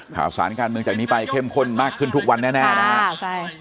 ข่าวสารการเมืองจากนี้ไปเข้มข้นมากขึ้นทุกวันแน่นะครับ